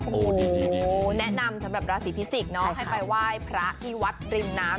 โอ้โหแนะนำสำหรับราศีพิจิกษ์เนาะให้ไปไหว้พระที่วัดริมน้ำ